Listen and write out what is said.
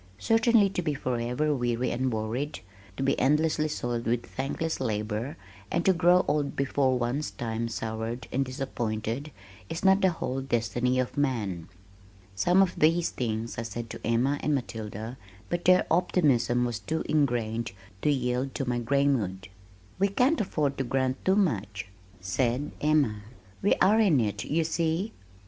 Certainly to be forever weary and worried, to be endlessly soiled with thankless labor and to grow old before one's time soured and disappointed, is not the whole destiny of man! Some of these things I said to Emma and Matilda but their optimism was too ingrained to yield to my gray mood. "We can't afford to grant too much," said Emma. "We are in it, you see."